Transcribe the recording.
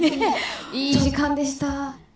いい時間でした。